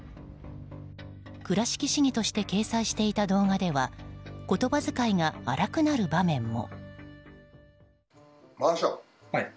倉敷市議として掲載していた動画では言葉使いが荒くなる場面も。